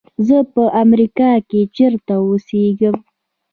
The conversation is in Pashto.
زه په امریکا کې چېرته اوسېږم.